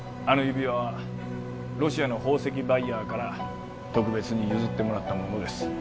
あの指輪はロシアの宝石バイヤーから特別に譲ってもらったものです